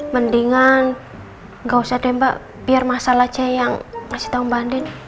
mendingan gak usah deh mbak biar masalah aja yang masih tau mbak andin